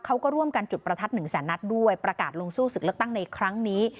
เขาก็ร่วมกันจุดประทัดหนึ่งแสนนัดด้วยประกาศลงสู้ศึกเลือกตั้งในครั้งนี้